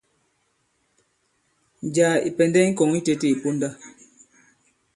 Njàā ì pɛ̀ndɛ i ŋkɔ̀ŋ itētē ì ponda.